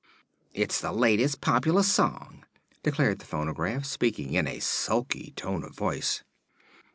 "It's the latest popular song," declared the phonograph, speaking in a sulky tone of voice.